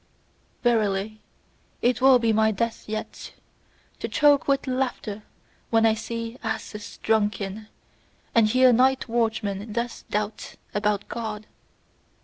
Verily, it will be my death yet to choke with laughter when I see asses drunken, and hear night watchmen thus doubt about God.